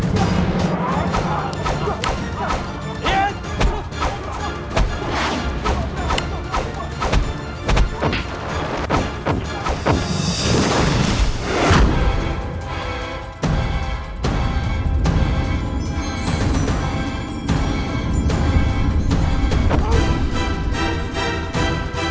walikumussalam zap energ